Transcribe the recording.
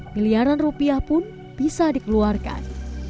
miliaran rupiah pun bisa dikeluarkan